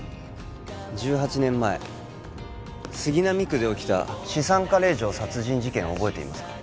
１８年前杉並区で起きた資産家令嬢殺人事件を覚えていますか？